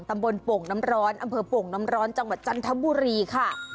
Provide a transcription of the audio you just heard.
โป่งน้ำร้อนอำเภอโป่งน้ำร้อนจังหวัดจันทบุรีค่ะ